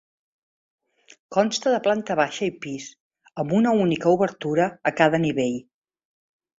Consta de planta baixa i pis, amb una única obertura a cada nivell.